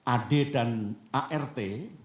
ad dan art